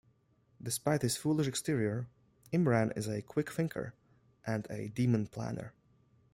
Despite his foolish exterior, Imran is a quick thinker and a demon planner.